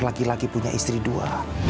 lagi lagi punya istri dua